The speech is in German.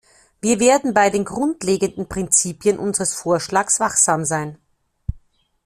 Wir werden bei den grundlegenden Prinzipien unseres Vorschlags wachsam sein.